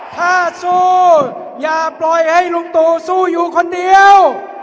ถ้าสู้อย่าปล่อยให้ลุงตู่สู้อยู่คนเดียว